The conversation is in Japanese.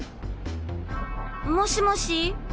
もしもし。